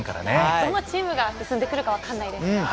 どのチームが進んでくるか分からないですよね。